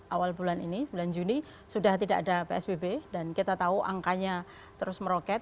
awal bulan ini sembilan juni sudah tidak ada psbb dan kita tahu angkanya terus meroket